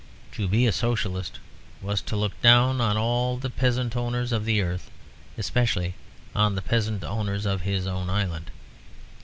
To be a Socialist was to look down on all the peasant owners of the earth, especially on the peasant owners of his own island.